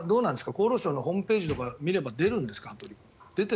厚労省のホームページとか見れば出てるんですか？